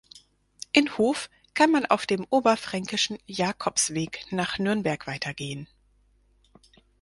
In Hof kann man auf dem "Oberfränkischen Jakobsweg" nach Nürnberg weitergehen.